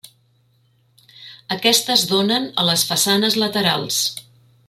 Aquestes donen a les façanes laterals.